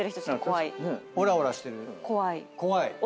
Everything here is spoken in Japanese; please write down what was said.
怖い。